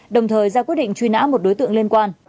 đồng thời ra quyết định truy nã một đối tượng liên quan